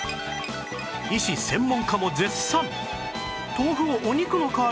医師・専門家も絶賛！